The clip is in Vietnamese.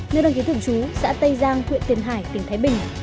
nêu đăng ký tưởng chú xã tây giang huyện tiền hải tỉnh thái bình